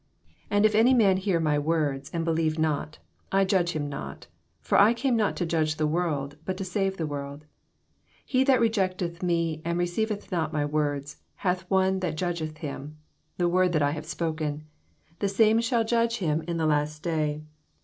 47 And if any man hear mj words, and believe not, I Judge him not: for I oame not to judge the world, bat to ■ave the world. 48 He thatrejeotethme, and reeeiv eth not m J words, hath one that judg' eth him: the word that I have spoken, the same shall judge him in the last day.